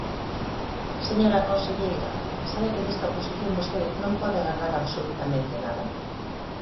Señora conselleira, sabe que desta oposición vostede non pode agardar absolutamente nada.